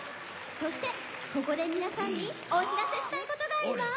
そしてここで皆さんにお知らせしたいことがあります！